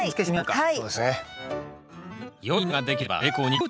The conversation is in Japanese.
はい。